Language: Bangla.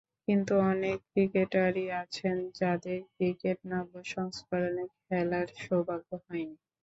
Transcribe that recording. কিন্তু অনেক ক্রিকেটারই আছেন, যাঁদের ক্রিকেট নব্য সংস্করণে খেলার সৌভাগ্য হয়নি।